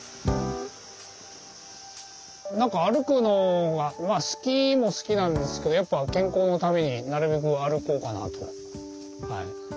何か歩くのが好きも好きなんですけどやっぱ健康のためになるべく歩こうかなとはい。